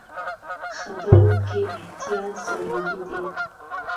خبرو کې احتیاط ضروري دی.